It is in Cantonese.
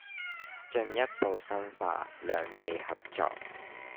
進一步深化兩地合作